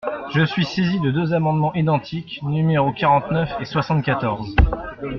Je suis saisi de deux amendements identiques, numéros quarante-neuf et soixante-quatorze.